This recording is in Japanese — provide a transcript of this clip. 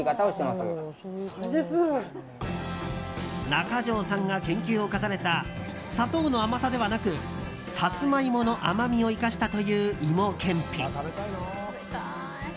中条さんが研究を重ねた砂糖の甘さではなくサツマイモの甘みを生かしたという芋けんぴ。